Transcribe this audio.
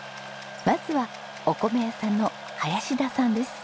まずはお米屋さんの林田さんです。